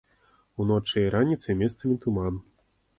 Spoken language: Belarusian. Уночы і раніцай месцамі туман.